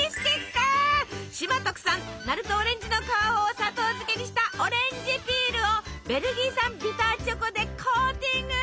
島特産鳴門オレンジの皮を砂糖漬けにしたオレンジピールをベルギー産ビターチョコでコーティング！